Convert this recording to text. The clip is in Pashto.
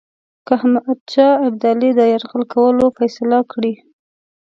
که احمدشاه ابدالي د یرغل کولو فیصله کړې.